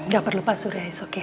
gak perlu pak surya it's okay